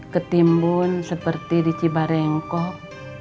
ketimbun seperti di cibarengkok